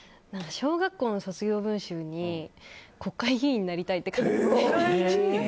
小学校の卒業文集に国会議員になりたいって書いていて。